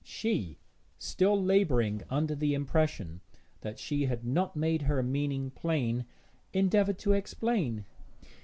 She, still labouring under the impression that she had not made her meaning plain, endeavoured to explain.